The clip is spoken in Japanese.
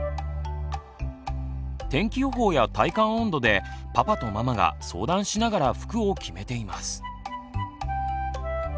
天気予報や体感温度でパパとママが相談しながら服を決めています。